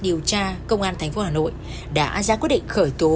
điều tra công an thành phố hà nội đã ra quyết định khởi tố